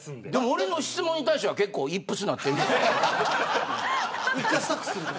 俺の質問に対しては結構イップスになってる。